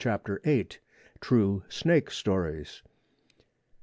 CHAPTER VIII. TRUE SNAKE STORIES.